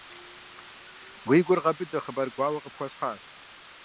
Уи гур гъэбыдэ, хъыбар гуауэ къыпхуэсхьащ.